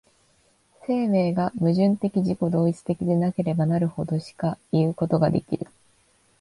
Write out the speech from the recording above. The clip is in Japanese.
生命が矛盾的自己同一的なればなるほどしかいうことができる。